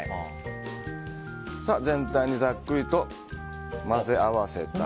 全体にざっくりと混ぜ合わせたら。